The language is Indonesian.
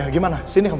nah gimana sini kamu